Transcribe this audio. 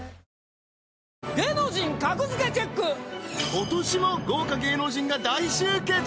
今年も豪華芸能人が大集結！